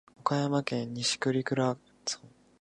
岡山県西粟倉村